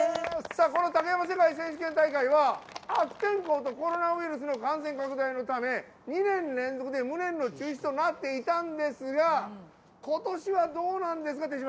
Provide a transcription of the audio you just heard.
この竹馬世界選手権大会は悪天候とコロナウイルスの感染拡大のため２年連続で無念の中止となっていたんですがことしはどうなんですか？